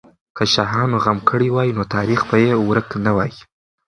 که شاهانو غم کړی وای، نو تاریخ به یې ورک نه وای.